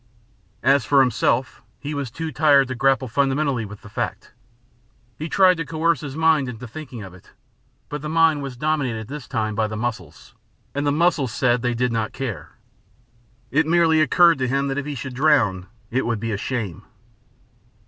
As for himself, he was too tired to grapple fundamentally with the fact. He tried to coerce his mind into thinking of it, but the mind was dominated at this time by the muscles, and the muscles said they did not care. It merely occurred to him that if he should drown it would be a shame.